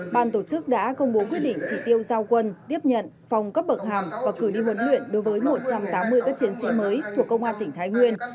ban tổ chức đã công bố quyết định chỉ tiêu giao quân tiếp nhận phòng cấp bậc hàm và cử đi huấn luyện đối với một trăm tám mươi các chiến sĩ mới thuộc công an tỉnh thái nguyên